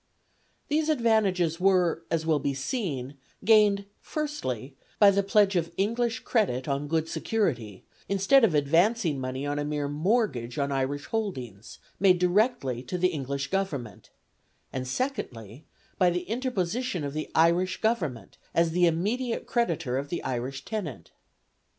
These advantages were, as will be seen, gained, firstly, by the pledge of English credit on good security, instead of advancing money on a mere mortgage on Irish holdings, made directly to the English Government; and, secondly, by the interposition of the Irish Government, as the immediate creditor of the Irish tenant.